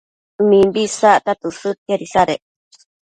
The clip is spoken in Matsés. mimbi isacta tësëdtiad isadec